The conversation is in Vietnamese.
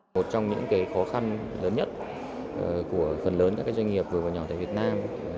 một trong những khó khăn lớn nhất của phần lớn các doanh nghiệp vừa và nhỏ tại việt nam